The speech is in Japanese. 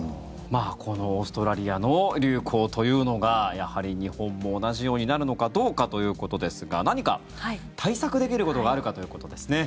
このオーストラリアの流行というのがやはり日本も同じようになるのかどうかということですが何か対策できることがあるかということですね。